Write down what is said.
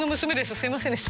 すみませんでした」